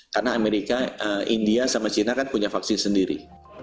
karena amerika india sama china kan punya vaksin sendiri